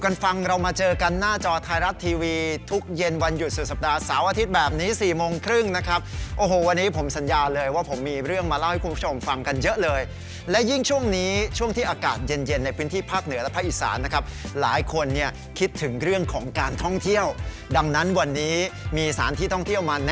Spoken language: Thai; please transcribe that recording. อย่าลืมเล่าสู่กันฟัง